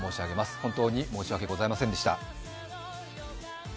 本当に申し訳ございませんでした。